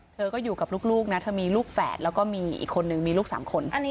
เธอก็อยู่กับลูกนะเธอมีลูกแฝดแล้วก็มีอีกคนนึงมีลูก๓คน